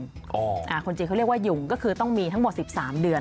คนจีนเขาเรียกว่าหยุงก็คือต้องมีทั้งหมด๑๓เดือน